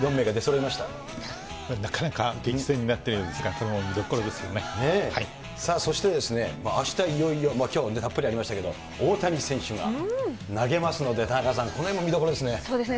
なかなか激戦になったようでそして、あした、いよいよ、きょうもたっぷりありましたけど、大谷選手が、投げますので、田中さん、このへんも見どころですね。